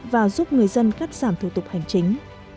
và giúp người dân cắt giảm thủ tục hành chính